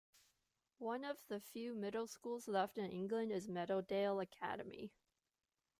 One of the few middle schools left in England is Meadowdale Academy.